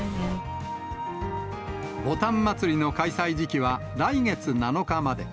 ぼたん祭の開催時期は来月７日まで。